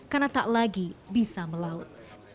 karena tak lagi bisa melaut